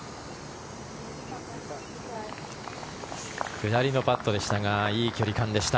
下りのパットでしたがいい距離感でした。